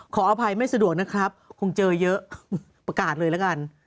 ขออภัยไม่สะดวกนะครับคงเจอเยอะประกาศเลยละกัน